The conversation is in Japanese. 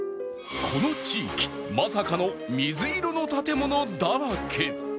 この地域まさかの水色の建物だらけ